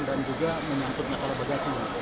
dan juga menyantut nakal bagasi